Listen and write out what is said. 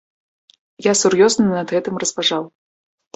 Я сур'ёзна над гэтым разважаў.